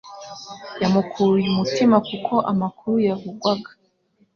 yamukuye umutima kuko amakuru yavugwaga,